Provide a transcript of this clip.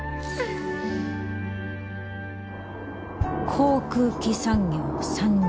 航空機産業参入。